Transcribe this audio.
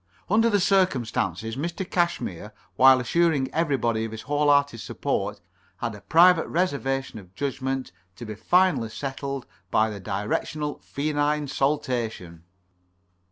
Under the circumstances, Mr. Cashmere, while assuring everybody of his whole hearted support, had a private reservation of judgment to be finally settled by the directional feline saltation.